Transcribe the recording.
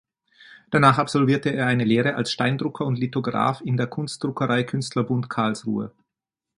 Danach absolvierte er eine Lehre als Steindrucker und Lithograf in der Kunstdruckerei Künstlerbund Karlsruhe.